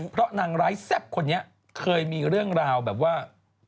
เพราะนางร้ายแซ่บคนนี้เคยมีเรื่องราวแบบว่า